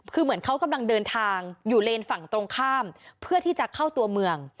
คือเหมือนเขากำลังเดินทางอยู่เลนฝั่งตรงข้ามเพื่อที่จะเข้าตัวเมือง